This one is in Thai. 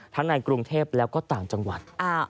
ในกรุงเทพแล้วก็ต่างจังหวัด